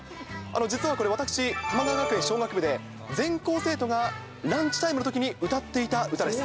実はこれ、私、玉川学園小学部で、全校生徒がランチタイムのときに歌っていた歌です。